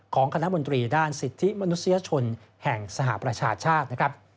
คณะมนตรีด้านสิทธิมนุษยชนแห่งสหประชาชาตินะครับ